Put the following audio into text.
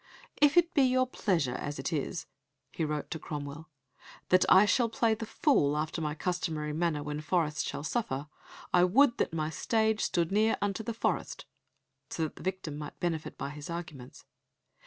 "If it be your pleasure, as it is," he wrote to Cromwell, "that I shall play the fool after my customary manner when Forest shall suffer, I would that my stage stood near unto Forest" (so that the victim might benefit by his arguments)....